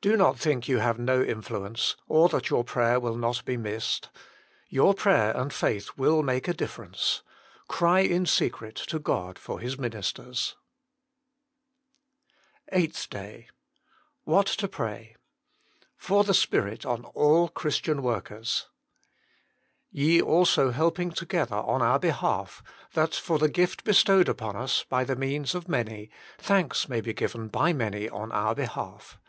Do not think you have no influence, or that your prayer will not be missed. Your prayer and faith will make a difference. Cry in secret to God for His ministers. SPECIAL PETITIONS PKAY WITHOUT CEASING EIGHTH DAY WHAT TO PRAT. ^fot iljt Spirit an all Christian tSStorlurs "Ye also helping together on our behalf; that for the gift bestowed upon us by means of many, thanks may be given by many on our behalf."